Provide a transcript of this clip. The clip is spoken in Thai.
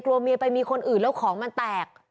เมียไปมีคนอื่นแล้วของมันแตก